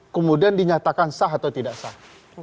kemudian dinyatakan sah atau tidak sah